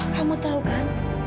kamu tahu kan